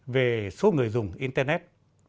về số người dùng internet